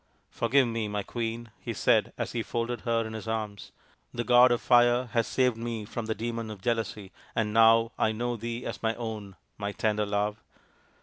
" Forgive me, my Queen," he said, as he folded her in his arms. " The God of Fire has saved me from the Demon of Jealousy, and now I know thee as my Own my tender Love."